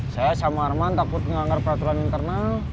saya sama arman takut melanggar peraturan internal